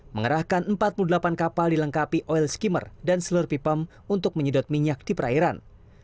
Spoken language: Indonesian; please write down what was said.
mengerahkan empat puluh delapan kapal dilengkapi oil skimmer dan slur pea pump untuk menyedot minyak di perairan